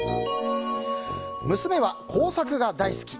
娘は工作が大好き。